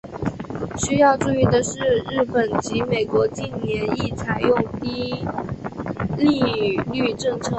需要注意的是日本及美国近年亦采用低利率政策。